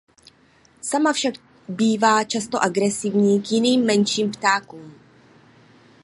Sama však bývá často agresivní k jiným menším ptákům.